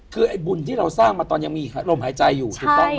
คือไอ้บุญที่เราสร้างมาตอนยังมีลมหายใจอยู่ถูกต้องไหม